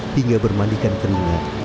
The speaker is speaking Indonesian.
hingga bermandikan keringat